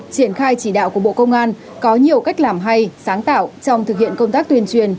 triển khai chỉ đạo của bộ công an có nhiều cách làm hay sáng tạo trong thực hiện công tác tuyên truyền